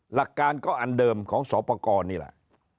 หลักการก็อันเดิมของสอปกรนี่แหละ